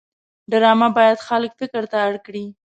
ډرامه باید خلک فکر ته اړ کړي